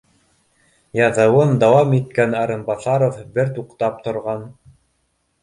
Яҙыуын дауам иткән Арынбаҫаров бер туҡтап торған